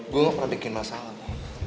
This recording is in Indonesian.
gue gak pernah bikin masalah